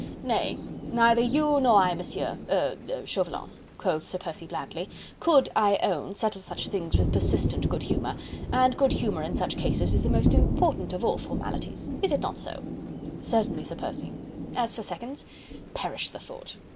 "Nay! neither you nor I, Monsieur... er... Chauvelin," quoth Sir Percy blandly, "could, I own, settle such things with persistent good humour; and good humour in such cases is the most important of all formalities. Is it not so?" "Certainly, Sir Percy." "As for seconds? Perish the thought.